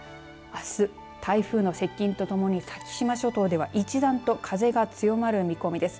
あす、台風の接近とともに先島諸島では一段と風が強まる見込みです。